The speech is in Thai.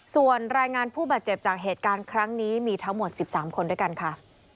สามคนด้วยกันค่ะ